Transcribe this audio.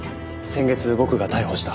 先月僕が逮捕した。